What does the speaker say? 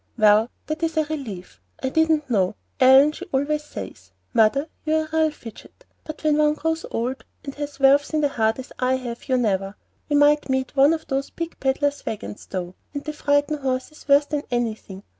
"Well, that is a relief. I didn't know. Ellen she always says, 'Mother, you're a real fidget;' but when one grows old, and has valves in the heart as I have, you never We might meet one of those big pedler's wagons, though, and they frighten horses worse than anything.